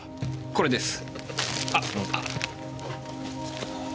これです。